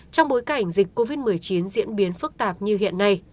trong bối cảnh dịch covid một mươi chín diễn biến phức tạp như hiện nay